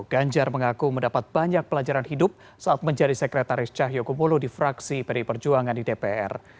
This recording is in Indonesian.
ganjar mengaku mendapat banyak pelajaran hidup saat menjadi sekretaris cahyokumolo di fraksi pdi perjuangan di dpr